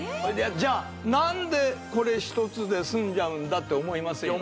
じゃあ何でこれ１つで済んじゃうんだって思いますよね